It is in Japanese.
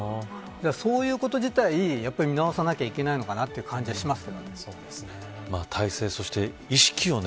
そういうこと自体やっぱり見直さなきゃいけないのかなという感じがします。